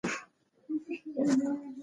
خو د شپې لید تر طبیعي کچې نه لوړوي.